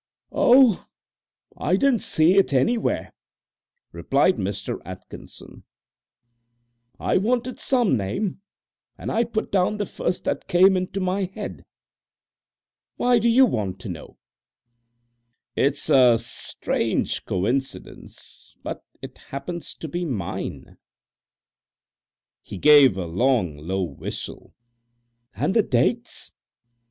"Oh, I didn't see it anywhere," replied Mr. Atkinson. "I wanted some name, and I put down the first that came into my head. Why do you want to know?" "It's a strange coincidence, but it happens to be mine." He gave a long, low whistle. "And the dates?"